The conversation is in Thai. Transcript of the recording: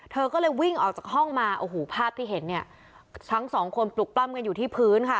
เธอก็เลยวิ่งออกจากห้องมาโอ้โหภาพที่เห็นเนี่ยทั้งสองคนปลุกปล้ำกันอยู่ที่พื้นค่ะ